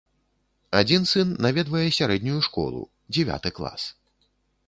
Адзін сын наведвае сярэднюю школу, дзявяты клас.